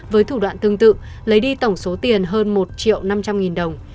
với thủ đoạn tương tự lấy đi tổng số tiền hơn một triệu năm trăm linh nghìn đồng